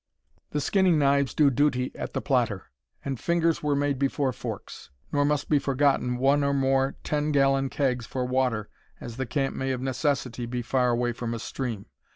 "The skinning knives do duty at the platter, and 'fingers were made before forks.' Nor must be forgotten one or more 10 gallon kegs for water, as the camp may of necessity be far away from a stream.